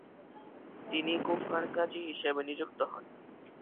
তিনি কুফার কাজি হিসেবে নিযুক্ত হন।